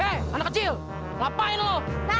hei anak kecil ngapain lo